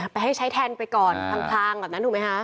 ไปให้ใช้แทนไปก่อนพังแบบนั้นถูกมั้ยฮะ